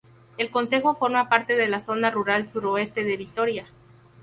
El concejo forma parte de la Zona Rural Suroeste de Vitoria.